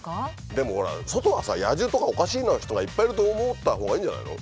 でもほら外はさ野獣とかおかしな人がいっぱいいると思ったほうがいいんじゃないの？